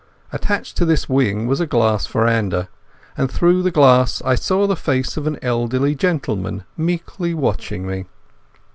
Attached to this wing was a glass veranda, and through the glass I saw the face of an elderly gentleman meekly watching me.